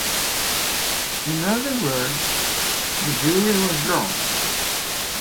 In other words, the jury was wrong.